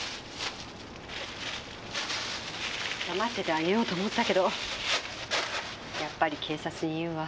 黙っててあげようと思ったけどやっぱり警察に言うわ。